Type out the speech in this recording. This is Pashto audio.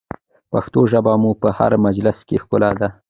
پښتو ژبه مو په هر مجلس کې ښکلا ده.